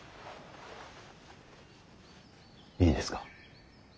いいですか。